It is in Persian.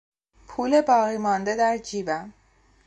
پول باقیمانده در جیبم